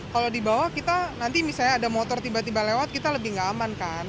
kalau di bawah kita nanti misalnya ada motor tiba tiba lewat kita lebih nggak aman kan